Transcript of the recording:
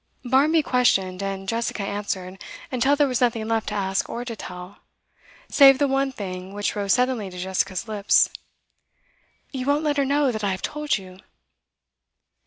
Barmby questioned, and Jessica answered, until there was nothing left to ask or to tell, save the one thing which rose suddenly to Jessica's lips. 'You won't let her know that I have told you?